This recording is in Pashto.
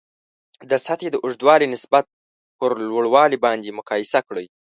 د سطحې د اوږدوالي نسبت پر لوړوالي باندې مقایسه کړئ.